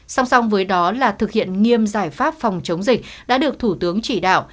song song với đó là thực hiện nghiêm giải pháp phòng chống dịch đã được thủ tướng chỉ đạo